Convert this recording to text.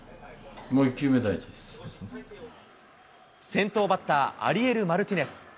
先頭バッター、アリエル・マルティネス。